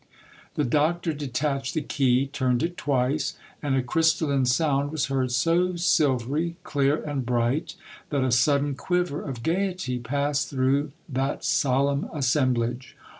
" The doctor detached the key, turned it twice, and a crystalline sound was heard, so silvery, clear, and bright that a sudden quiver of gaiety passed through that solemn assemblage.